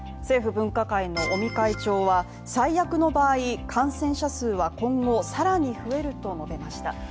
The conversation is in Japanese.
政府分科会の尾身会長は最悪の場合、感染者数は今後更に増えると述べました。